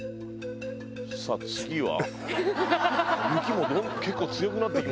さあ次は。